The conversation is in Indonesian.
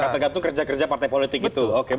kata gatuh kerja kerja partai politik gitu